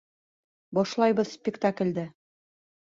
Башлайбыҙ спектаклде!